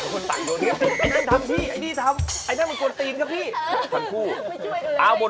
คือ๓คนต่างโยน